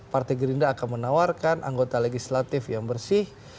partai gerindra akan menawarkan anggota legislatif yang bersih